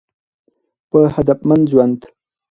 په هدفمند ژوند